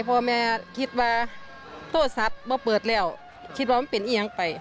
พ่อแม่คิดว่าโทรศัพท์มาเปิดแล้วคิดว่ามันเป็นเอียงไป